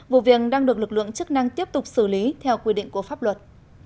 vụ viện đang được lực lượng chức năng tiếp tục xử lý theo quy định của pháp luật